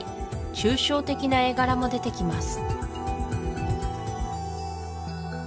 抽象的な絵柄も出てきます